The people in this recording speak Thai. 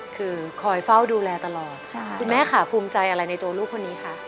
คือคอยเฝ้าดูแลตลอดคุณแม่ค่ะภูมิใจอะไรในตัวลูกคนนี้คะ